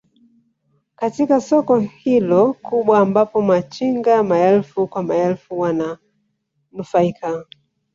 katika soko hilo kubwa ambapo machinga maelfu kwa maelfu wananufaika